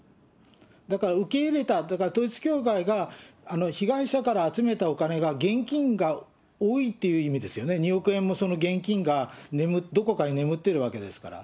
だから受け入れた、だから統一教会が被害者から集めたお金が、現金が多いという意味ですよね、２億円もその現金がどこかに眠っているわけですから。